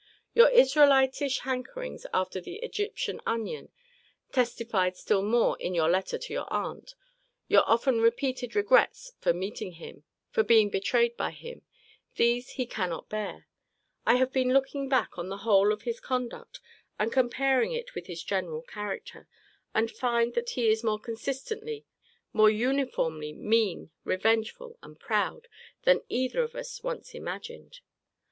Your Israelitish hankerings after the Egyptian onion, (testified still more in your letter to your aunt,) your often repeated regrets for meeting him, for being betrayed by him these he cannot bear. I have been looking back on the whole of his conduct, and comparing it with his general character; and find that he is more consistently, more uniformly, mean, revengeful, and proud, than either of us once imagined.